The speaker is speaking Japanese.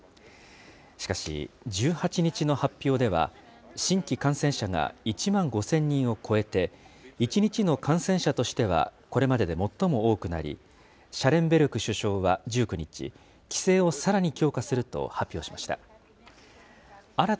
しかし１８日の発表では、新規感染者が１万５０００人を超えて、１日の感染者としてはこれまでで最も多くなり、シャレンベルク首相は１９日、規制をさらに強化すると発表しました。